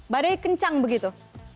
badai kencang begitu